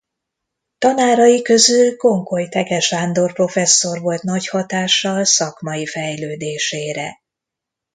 Tanárai közül Konkoly Thege Sándor professzor volt nagy hatással szakmai fejlődésére.